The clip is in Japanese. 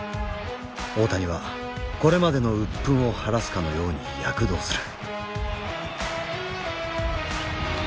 大谷はこれまでの鬱憤を晴らすかのように躍動する。